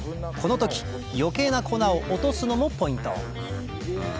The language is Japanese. この時余計な粉を落とすのもポイント